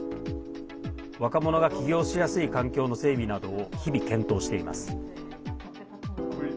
若者が起業しやすい環境の整備などを、日々検討しています。